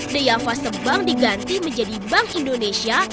deyava sebang diganti menjadi bank indonesia